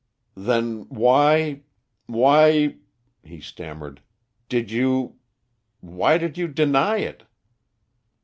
"Then why why," he stammered, "did you why did you deny it?"